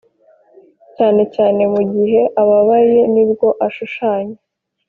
cyane cyane mu gihe ababaye nibwo ashushanya.